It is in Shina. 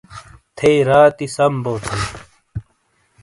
تھیئی راتی سم بو تھن۔